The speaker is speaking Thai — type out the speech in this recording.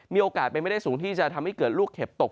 มีโอกาสเป็นไม่ได้สูงที่จะทำให้เกิดลูกเห็บตก